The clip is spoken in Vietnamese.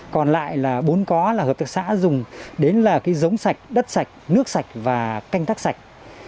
còn lại là bốn có là hợp tác xã dùng đến là cái giống sạch đất sạch nước sạch và canh tác sạch